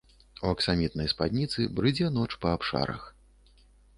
У аксамітнай спадніцы брыдзе ноч па абшарах.